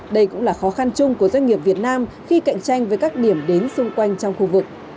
đây cũng là khó khăn chung của doanh nghiệp việt nam khi cạnh tranh với các điểm đến xung quanh trong khu vực